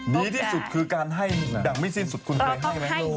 ดีที่สุดคือการให้หยุดให้ไม่สิ้นสุดต้องให้เยอะ